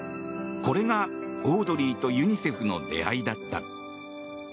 これがオードリーとユニセフの出会いだった。